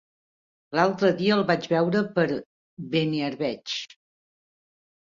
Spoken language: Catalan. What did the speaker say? L'altre dia el vaig veure per Beniarbeig.